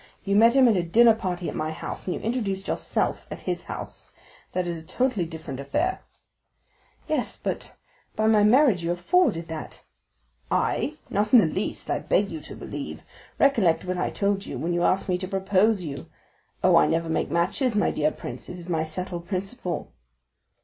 You met him at a dinner party at my house, and you introduced yourself at his house; that is a totally different affair." "Yes, but, by my marriage, you have forwarded that." "I?—not in the least, I beg you to believe. Recollect what I told you when you asked me to propose you. 'Oh, I never make matches, my dear prince, it is my settled principle.